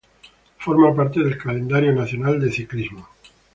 Forma parte del calendario nacional de ciclismo.